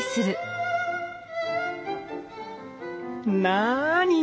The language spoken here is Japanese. なに？